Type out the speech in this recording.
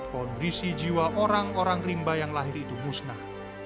pohon berisi jiwa orang orang rimba yang lahir itu musnah